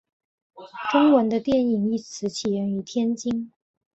中文的电影一词起源于天津。